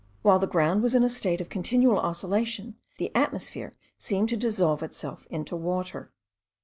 While the ground was in a state of continual oscillation, the atmosphere seemed to dissolve itself into water.